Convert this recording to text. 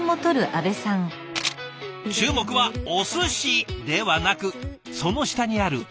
注目はお寿司ではなくその下にあるお皿！